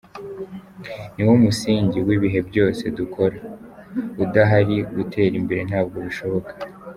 Niwo musingi w’ibi byose dukora, udahari gutera imbere ntabwo bishoboka.